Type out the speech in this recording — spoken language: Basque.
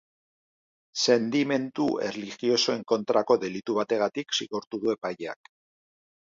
Sentimendu erlijiosoen kontrako delitu bategatik zigortu du epaileak.